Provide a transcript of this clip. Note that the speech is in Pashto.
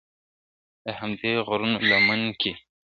د همدې غرونو لمن کي ,